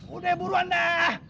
udah buruan deh